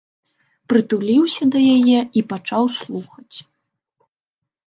Прытуліўся да яе і пачаў слухаць.